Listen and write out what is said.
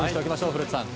古田さん。